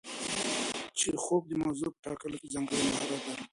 چیخوف د موضوع په ټاکلو کې ځانګړی مهارت درلود.